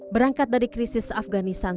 berangkat dari krisis afganistan